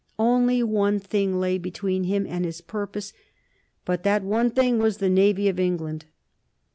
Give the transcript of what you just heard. Only one thing lay between him and his purpose, but that one thing was the navy of England.